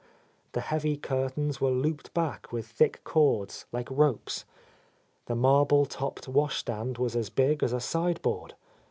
The heavy curtains were —> 8 — A Lost Lady looped back with thick cords, like ropes. The marble topped washstand was as big as a side board.